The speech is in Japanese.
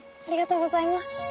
ありがとうございます。